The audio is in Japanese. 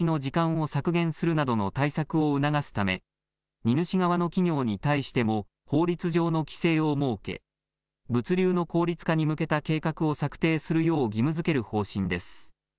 待ちの時間を削減するなどの対策を促すため荷主側の企業に対しても法律上の規制を設け物流の効率化に向けた計画を策定するよう義務づける方針です。